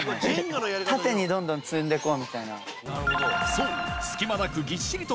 そう！